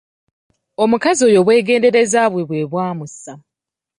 Omukazi oyo obwegendereza bwe, bwe bwamussa.